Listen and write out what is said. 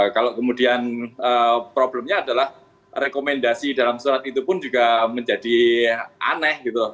kalau kemudian problemnya adalah rekomendasi dalam surat itu pun juga menjadi aneh gitu